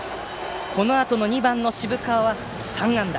このあとの２番の渋川は３安打。